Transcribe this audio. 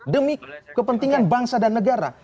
demi kepentingan bangsa dan negara